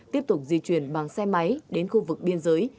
tiếp tục di chuyển bằng xe máy đến khu vực biên giới